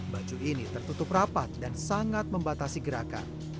baju ini tertutup rapat dan sangat membatasi gerakan